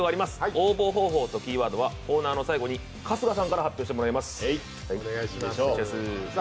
応募方法とキーワードはコーナーの最後に春日さんから発表してもらいます。